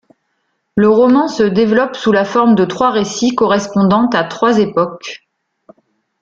Le roman se développe sous la forme de trois récits correspondant à trois époques.